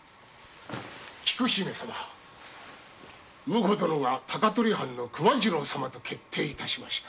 菊姫様婿殿が高取藩の熊次郎様と決定致しました。